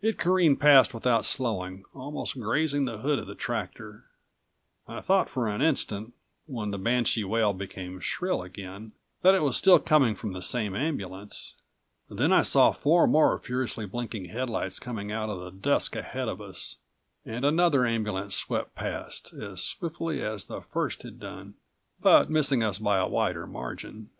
It careened past without slowing, almost grazing the hood of the tractor. I thought for an instant, when the banshee wail became shrill again, that it was still coming from the same ambulance. Then I saw four more furiously blinking headlights coming out of the dusk ahead of us, and another ambulance swept past, as swiftly as the first had done, but missing us by a wider margin.